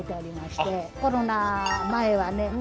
コロナ前はね